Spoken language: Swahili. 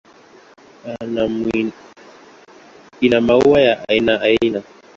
Ina maua ya aina aina.